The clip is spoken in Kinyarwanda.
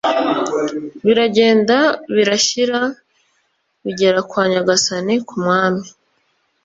biragenda birashyira bigera kwa nyagasani, ku mwami,